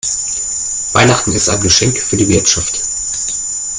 Weihnachten ist ein Geschenk für die Wirtschaft.